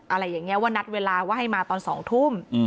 อะไรเงี้ยว่านัดเวลาว่าให้มาตอนสองทุม